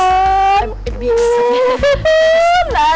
eh bibi sahak